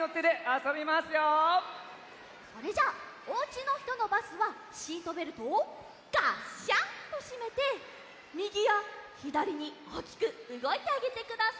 それじゃあおうちのひとのバスはシートベルトをガッシャンっとしめてみぎやひだりにおおきくうごいてあげてください。